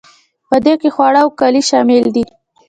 په دې کې خواړه او کالي شامل دي.